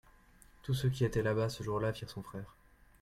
Tous ceux qui étaient là-bas ce jour-là virent son frère.